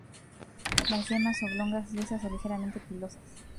Las yemas oblongas, lisas o ligeramente pilosas.